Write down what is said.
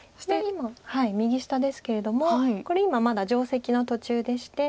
右下ですけれどもこれ今まだ定石の途中でして。